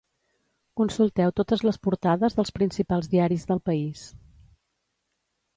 Consulteu totes les portades dels principals diaris del país.